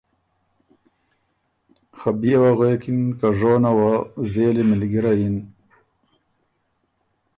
خه بيې وه غوېکِن که ژونه وه زېلی مِلګِرئ یِن،